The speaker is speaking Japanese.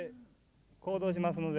行動しますので。